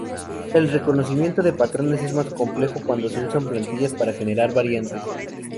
El reconocimiento de patrones es más complejo cuando se usan plantillas para generar variantes.